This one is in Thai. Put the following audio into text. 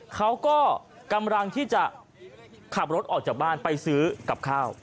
เขาก็กำลังที่จะขับรถออกจากบ้านไปซื้อกับข้าว